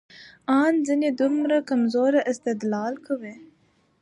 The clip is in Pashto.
ان ځينې دومره کمزورى استدلال کوي،